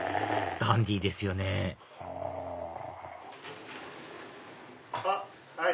ダンディーですよねはい。